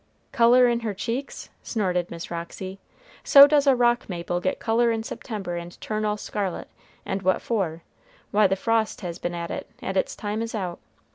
"Color in her cheeks!" snorted Miss Roxy; "so does a rock maple get color in September and turn all scarlet, and what for? why, the frost has been at it, and its time is out.